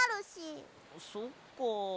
そっか。